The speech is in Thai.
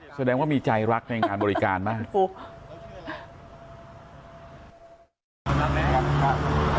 แสดงว่ามีใจรักในงานบริการมาก